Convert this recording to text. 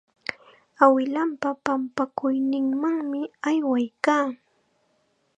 Awilanpa pampakuyninmanmi aywaykan.